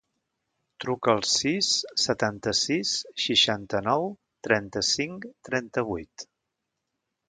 Truca al sis, setanta-sis, seixanta-nou, trenta-cinc, trenta-vuit.